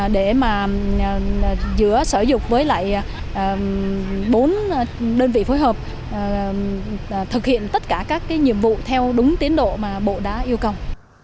để mà giữa sở dục với lại bốn đơn vị phối hợp thực hiện tất cả các nhiệm vụ theo đúng tiến độ mà bộ đã yêu cầu